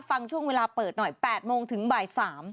ฟังช่วงเวลาเปิดหน่อย๘โมงถึงบ่าย๓